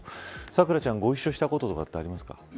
咲楽ちゃん、ご一緒したことなどありますか。